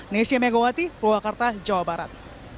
bapak bawati purwakarta jawa barat